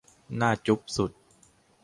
น่าจุ๊บสุด